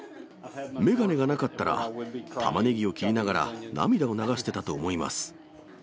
眼鏡がなかったら、タマネギを切りながら涙を流してたと思います。